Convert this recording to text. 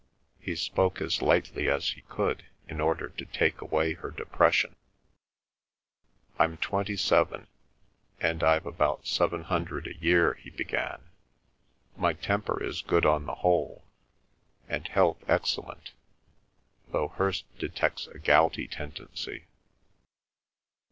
He spoke as lightly as he could in order to take away her depression. "I'm twenty seven, and I've about seven hundred a year," he began. "My temper is good on the whole, and health excellent, though Hirst detects a gouty tendency.